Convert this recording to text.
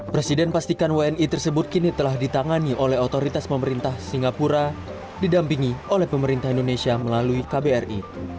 presiden pastikan wni tersebut kini telah ditangani oleh otoritas pemerintah singapura didampingi oleh pemerintah indonesia melalui kbri